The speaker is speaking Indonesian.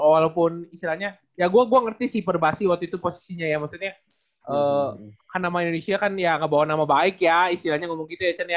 walaupun istilahnya ya gue gue ngerti sih perbasi waktu itu posisinya ya maksudnya kan nama indonesia kan ya nggak bawa nama baik ya istilahnya ngomong gitu ya chan ya